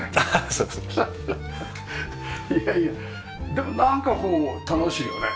でもなんかこう楽しいよね。